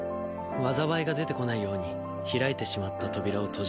災いが出てこないように開いてしまった扉を閉じる。